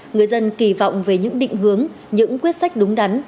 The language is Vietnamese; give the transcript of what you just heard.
người dân kỳ vọng về những định hướng những quyết sách đúng đắn